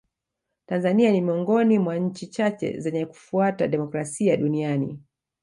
tanzania ni miongoni mwa nchi chache zenye kufuata demokrasia duniani